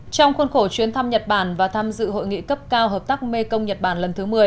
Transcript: trong khuôn khổ chuyến thăm nhật bản và tham dự hội nghị cấp cao hợp tác mê công nhật bản lần thứ một mươi